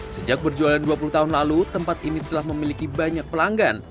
sejak berjualan dua puluh tahun lalu tempat ini telah memiliki banyak pelanggan